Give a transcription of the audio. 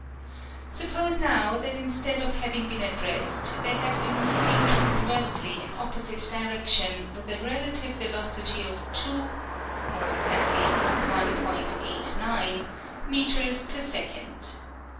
Suppose, now, that instead of having been at rest they had been moving transversely in opposite directions with a relative velocity of two (more exactly 1.89) metres per second.